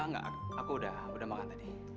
enggak aku udah makan tadi